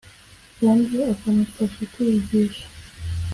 kandi akamufasha kwiyigisha.